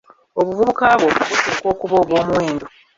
Obuvubuka bwo buteekwa okuba obw'omuwendo.